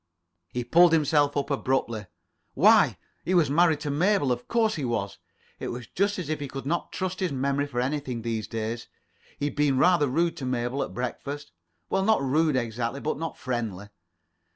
He pulled himself up abruptly. Why, he was married to Mabel. Of course, he was. It was just as if he could not trust his memory for anything these days. He had been rather rude to Mabel at breakfast. Well, not rude exactly, but not friendly.